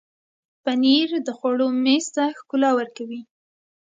پنېر د خوړو میز ته ښکلا ورکوي.